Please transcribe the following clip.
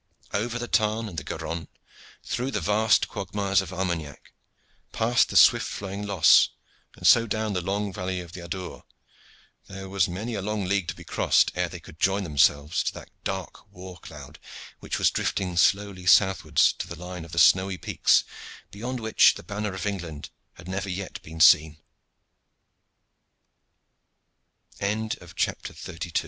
Over the Tarn and the Garonne, through the vast quagmires of Armagnac, past the swift flowing Losse, and so down the long valley of the Adour, there was many a long league to be crossed ere they could join themselves to that dark war cloud which was drifting slowly southwards to the line of the snowy peaks, beyond which the banner of England had never yet been seen. CHAPTER XXXIII. HOW